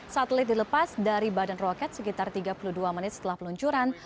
satelit dilepas dari badan roket sekitar tiga puluh dua menit setelah peluncuran